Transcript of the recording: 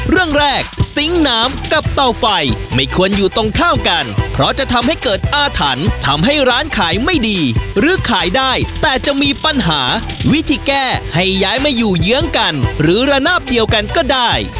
เรื่องแรกซิงค์น้ำกับเตาไฟไม่ควรอยู่ตรงข้ามกันเพราะจะทำให้เกิดอาถรรพ์ทำให้ร้านขายไม่ดีหรือขายได้แต่จะมีปัญหาวิธีแก้ให้ย้ายมาอยู่เยื้องกันหรือระนาบเดียวกันก็ได้